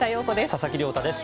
佐々木亮太です。